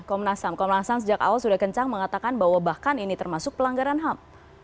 komnasam komnasam sejak awal sudah kencang mengatakan bahwa bahkan ini termasuk pelanggaran ham